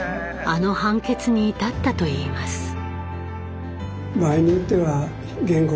あの判決に至ったといいます。